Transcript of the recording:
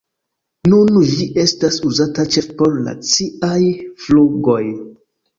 Nun ĝi estas uzata ĉefe por naciaj flugoj.